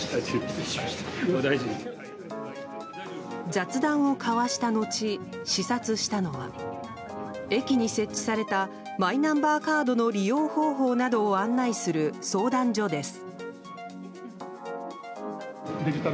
雑談を交わしたのち視察したのは駅に設置されたマイナンバーカードの利用方法などを案内する相談所です。